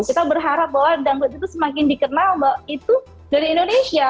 kita berharap bahwa dangdut itu semakin dikenal itu dari indonesia